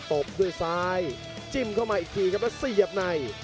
บด้วยซ้ายจิ้มเข้ามาอีกทีครับแล้วเสียบใน